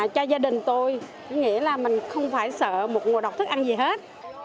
cho gia đình tôi nghĩa là mình không phải sợ một nguồn độc thức ăn gì hết